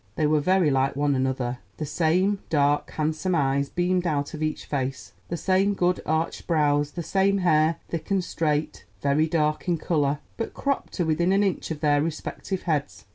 They were very like one another; the same dark, handsome eyes beamed out of each face, the same good arched brows, the same hair, thick and straight, very dark in color, but cropped to within an inch of their respective heads.